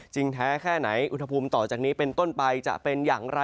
แท้แค่ไหนอุณหภูมิต่อจากนี้เป็นต้นไปจะเป็นอย่างไร